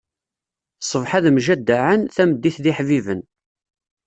Ṣṣbeḥ ad mjeddaɛen, tameddit d iḥbiben.